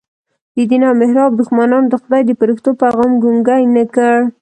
د دین او محراب دښمنانو د خدای د فرښتو پیغام ګونګی نه کړ.